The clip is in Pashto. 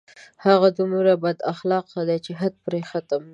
هغه دومره بد اخلاقه دی چې حد پرې ختم دی